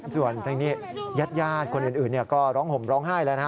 ส่วนเพลงนี้ญาติคนอื่นก็ร้องห่มร้องไห้แล้วนะ